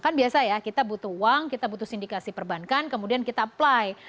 kan biasa ya kita butuh uang kita butuh sindikasi perbankan kemudian kita apply